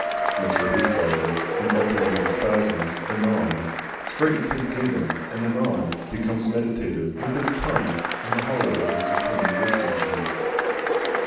Mr. Hoopdriver in alternating spasms anon straightens his gingham and anon becomes meditative, with his tongue in the hollow of his decaying wisdom tooth.